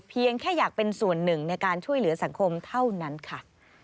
เพียงแค่อยากเป็นส่วนหนึ่งในการช่วยเหลือสังคมเท่านั้นค่ะ